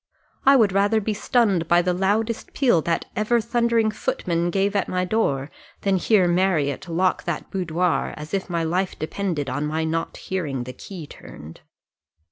I would rather be stunned by the loudest peal that ever thundering footman gave at my door, than hear Marriott lock that boudoir, as if my life depended on my not hearing the key turned."